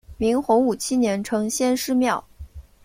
明洪武七年称先师庙。